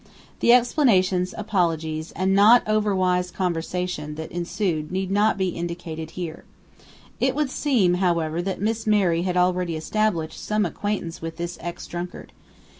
The explanations, apologies, and not overwise conversation that ensued need not be indicated here. It would seem, however, that Miss Mary had already established some acquaintance with this ex drunkard.